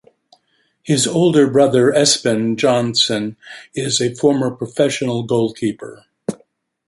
His older brother Espen Johnsen is a former professional goalkeeper.